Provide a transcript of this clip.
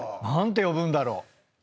何て呼ぶんだろう？